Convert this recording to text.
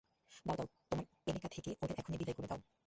দাও, দাও, তোমার এলেকা থেকে ওদের এখনই বিদায় করে দাও।